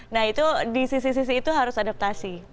nah itu di sisi sisi itu harus adaptasi